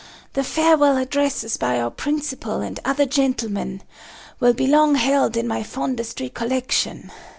The farewell addresses by our principal and other gentlemen will be long held in my fondest recollection…….